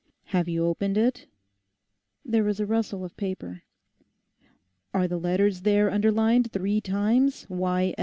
'Have you opened it?' There was a rustle of paper. 'Are the letters there underlined three times—"Y.